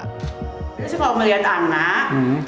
kalau melihat anak